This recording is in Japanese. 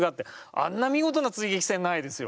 あんな見事な追撃戦ないですよ。